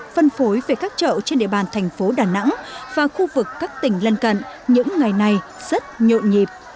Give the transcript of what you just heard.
phân phối về các chợ trên địa bàn thành phố đà nẵng và khu vực các tỉnh lân cận những ngày này rất nhộn nhịp